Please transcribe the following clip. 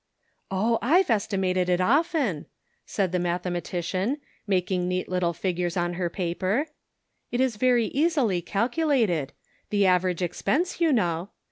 " Oh, I've estimated it often," said the math ematician, making neat little figures on her paper, "It is very easily calculated — the average expense, you know.